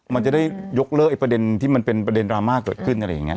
มันจะได้ยกเลิกประเด็นที่มันเป็นประเด็นราม่าเกิดขึ้น